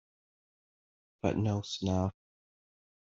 But no snuff.